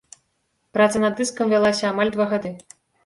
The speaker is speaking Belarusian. Праца над дыскам вялася амаль два гады.